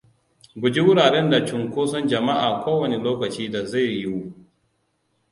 Guji wuraren da cunkoson jama'a kowane lokacin da zai yiwu.